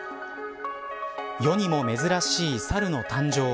世にも珍しいサルの誕生。